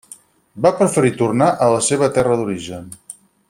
Va preferir tornar a la seva terra d’origen.